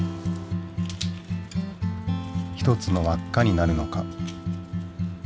１つの輪っかになるのか？